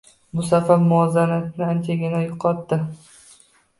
Bu safar muvozanatni anchagina yoʻqotdi.